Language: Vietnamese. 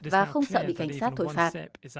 và không sợ bị cảnh sát thổi phạt